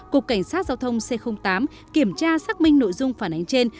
cục cảnh sát giao thông c tám kiểm tra xác minh nội dung phản ánh trên